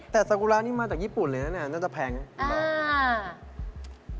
แต่สากุระนี่มาจากญี่ปุ่นเลยนะเนี่ยน่าจะแพงนะ